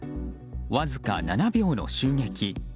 わずか７秒の襲撃。